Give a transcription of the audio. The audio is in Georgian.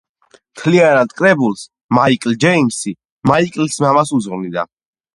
მთლიანად კრებულს ჯეიმსი მამამისს უძღვნის.